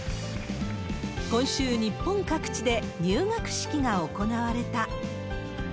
今週、日本各地で入学式が行われた。